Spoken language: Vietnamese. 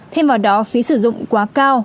thêm vào đó phí sử dụng quá cao